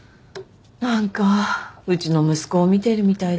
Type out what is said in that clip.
何かうちの息子を見てるみたいで。